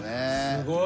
すごい。